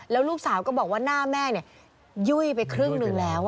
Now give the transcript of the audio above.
แล้วลูกสาวก็บอกว่าหน้าแม่ยุ่ยไปครึ่งหนึ่งแล้ว